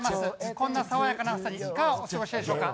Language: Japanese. こんな爽やかな朝にいかがおすごしでしょうか。